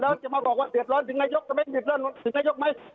แล้วจะมาบอกว่าเดือดร้อนถึงนายกจะไหมเดือดร้อนถึงนายกไหม